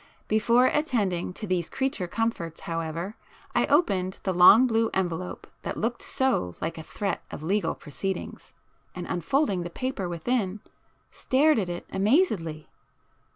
Before attending to these creature comforts however, I opened the long blue envelope that looked so like a threat of legal proceedings, and unfolding the paper within, stared at it amazedly.